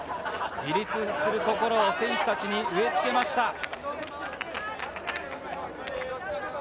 自立する心を選手たちに植えつけました。